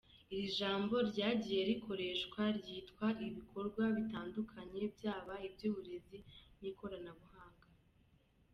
Iri jambo ryagiye rikoreshwa ryitwa ibikorwa bitandukanye byaba iby’uburezi nikoranabuhanga.